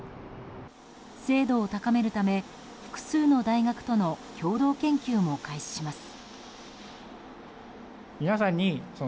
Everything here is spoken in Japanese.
精度を高めるため複数の大学との共同研究も開始します。